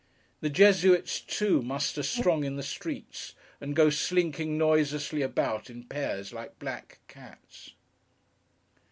The Jesuits too, muster strong in the streets, and go slinking noiselessly about, in pairs, like black cats.